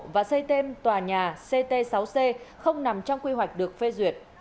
và xây tên tòa nhà ct sáu c không nằm trong quy hoạch được phê duyệt